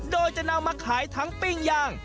โดยจะนำมาขายทั้งปิ้งย่าง